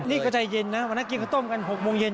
นี่ก็ใจเย็นนะวันนั้นกินข้าวต้มกัน๖โมงเย็น